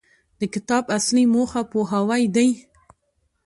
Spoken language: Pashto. د کتاب اصلي موخه پوهاوی دی.